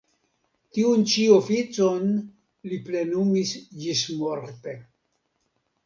Tiun ĉi oficon li plenumis ĝismorte.